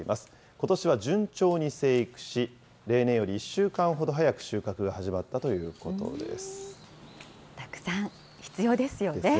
ことしは順調に生育し、例年より１週間ほど早く収穫が始まったということです。